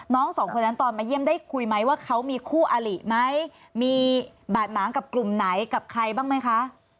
สองคนนั้นตอนมาเยี่ยมได้คุยไหมว่าเขามีคู่อลิไหมมีบาดหมางกับกลุ่มไหนกับใครบ้างไหมคะ